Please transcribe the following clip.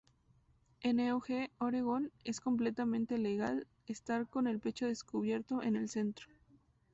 En Eugene, Oregón es completamente legal estar con el pecho descubierto en el centro.